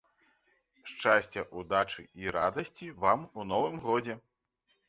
Шчасця, удачы і радасці вам у новым годзе!